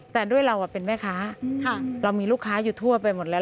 แต่ด้วยเราเป็นแม่ค้าเรามีลูกค้าอยู่ทั่วไปหมดแล้ว